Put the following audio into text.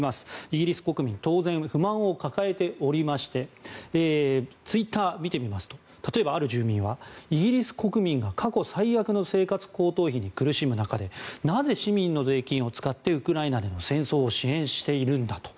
イギリス国民は当然、不満を抱えておりましてツイッターを見てみますと例えばある住民はイギリス国民が過去最悪の生活高騰に苦しむ中でなぜ市民の税金を使ってウクライナでの戦争を支援しているんだと。